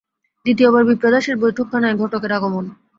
দ্বিতীয়বার বিপ্রদাসের বৈঠকখানায় ঘটকের আগমন।